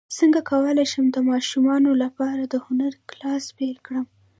څنګه کولی شم د ماشومانو لپاره د هنر کلاس پیل کړم